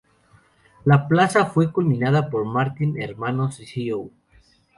La plaza fue culminada por Martín Hermanos, Co.